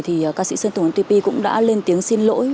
thì ca sĩ sơn tùng tp cũng đã lên tiếng xin lỗi